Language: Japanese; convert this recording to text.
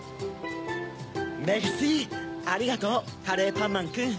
メルシーありがとうカレーパンマンくん。